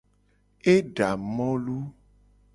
E da molu.